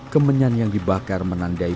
kemenyan yang dibakar menandai